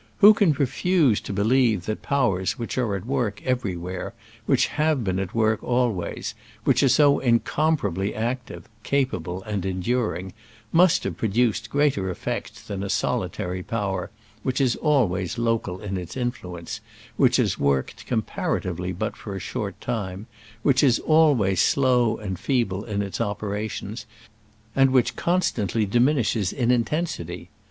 Who can refuse to be lieve that powers which are at work everywhere, which have been at work always, which are so incomparably ac tive, capable and enduring, must have produced greater effects than a solitary power which is always local in its influ ence, which has worked comparatively but for a short time, which is always slow and feeble in its operations, and which constantly diminishes in inten sity